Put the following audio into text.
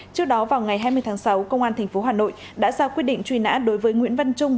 trước đó vào ngày hai mươi tháng sáu công an tp hà nội đã ra quyết định truy nã đối với nguyễn văn trung